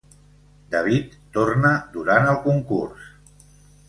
David torna durant el concurs.